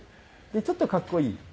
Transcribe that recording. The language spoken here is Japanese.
ちょっと格好いい。